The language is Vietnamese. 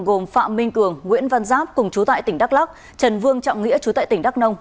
gồm phạm minh cường nguyễn văn giáp cùng chú tại tỉnh đắk lắc trần vương trọng nghĩa chú tại tỉnh đắk nông